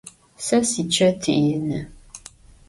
Se siçet yinı.